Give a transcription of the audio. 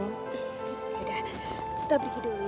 yaudah kita pergi dulu ya